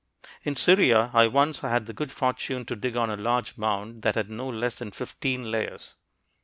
In Syria I once had the good fortune to dig on a large mound that had no less than fifteen layers.